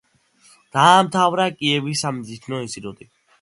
დაამთავრა კიევის სამედიცინო ინსტიტუტი.